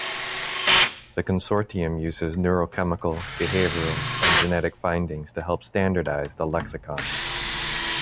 The Consortium use neurochemical, behavioral, and genetic findings to help standardize the lexicon.